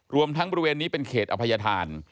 รวมทั้งบริเวณนี้เป็นเขตอภัยธาน